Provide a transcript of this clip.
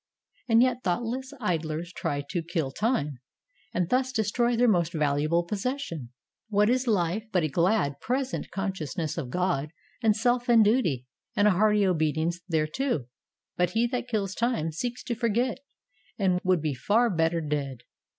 And yet thoughtless idlers try to "kill time," and thus destroy their most valuable possession. What is life but a glad, present conscious ness of God and self and duty, and a hearty obedience thereto? But he that kills time seeks to forget, and would be far better dead.